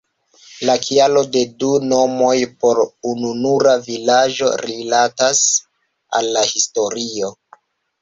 La kialo de du nomoj por ununura vilaĝo rilatas al la historio.